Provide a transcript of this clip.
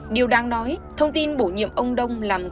điều đáng nói thông tin bổ nhiệm ông đông làm cục trưởng cục xuất nhập khẩu